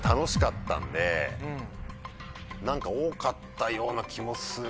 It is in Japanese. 何か多かったような気もするんだよな。